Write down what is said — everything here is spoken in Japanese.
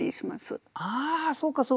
ああそうかそうか。